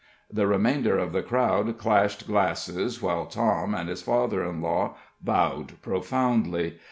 The remainder of the crowd clashed glasses, while Tom and his father in law bowed profoundly.